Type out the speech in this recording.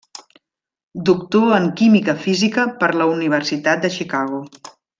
Doctor en Química Física per la Universitat de Chicago.